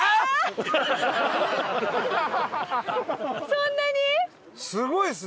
そんなに？